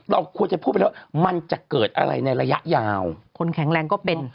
เราควรจะพูดไปแล้วมันจะเกิดอะไรในระยะยาวคนแข็งแรงก็เป็น